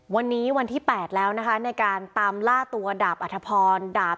วันนี้วันที่๘แล้วนะคะในการตามล่าตัวดาบอัธพรดาบ